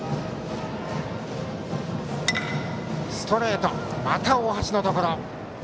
ストレートまた大橋のところ。